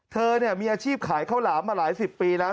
เธอมีอาชีพขายข้าวหลามมาหลายสิบปีแล้ว